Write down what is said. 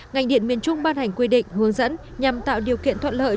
ngành điện miền trung ban hành quy định hướng dẫn nhằm tạo điều kiện thuận lợi